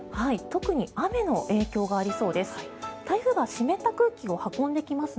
特に雨の影響がありそうです。